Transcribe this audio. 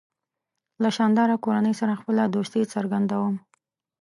له شانداره کورنۍ سره خپله دوستي څرګندوم.